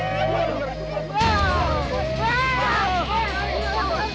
kalo lu pocong beneran gue gak berani